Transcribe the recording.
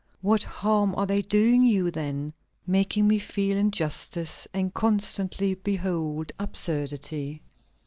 'What harm are they doing you, then?' 'Making me feel injustice, and constantly behold absurdity.'"